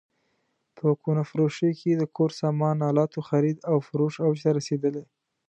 په کهنه فروشیو کې د کور سامان الاتو خرید او فروش اوج ته رسېدلی.